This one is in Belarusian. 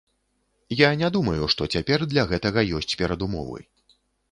Я не думаю, што цяпер для гэтага ёсць перадумовы.